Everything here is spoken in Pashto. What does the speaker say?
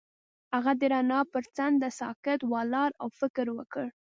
هغه د رڼا پر څنډه ساکت ولاړ او فکر وکړ.